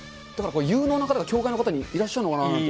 有能な方が協会の方にいらっしゃるのかなと。